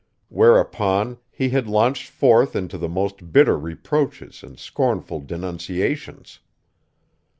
Whereupon he had launched forth into the most bitter reproaches and scornful denunciations.